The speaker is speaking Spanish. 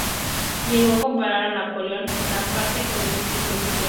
Llegó a comparar a Napoleón Bonaparte con el mismísimo Lucifer.